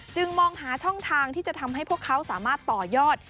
มองหาช่องทางที่จะทำให้พวกเขาสามารถต่อยอด